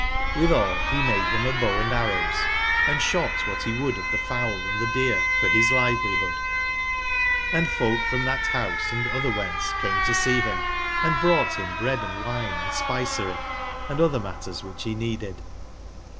Cditbal be made bim a bow and arrows, and sbot wbat be would of tbe fowl and tbe deer for bis livelibood; & folk from tbat bouse and otberwbence came to see bim, and brought bim bread & wine and spicery and other matters which he needed.